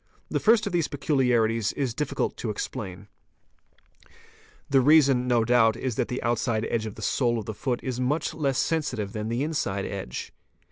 The first of these peculiarities is difficult to explain: The reason no doubt is that the outside edge of the sole of the foot is much less sensitive than the inside edge.